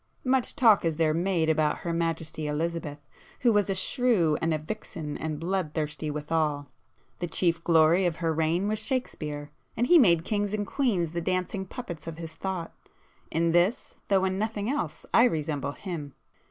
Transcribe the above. Much talk is there made about Her Majesty Elizabeth, who was a shrew and a vixen and blood thirsty withal,—the chief glory of her reign was Shakespeare, and he made kings and queens the dancing puppets of his thought. In this, though in nothing else, I resemble him.